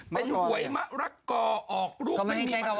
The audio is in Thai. เป็นหวยมะระกอออกลูกไม่มีเมล็ด